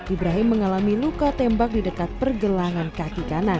ibrahim mengalami luka tembak di dekat pergelangan kaki kanan